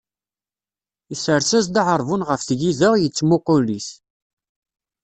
Isers-as-d aɛerbun ɣef tgida, yettmuqul-it.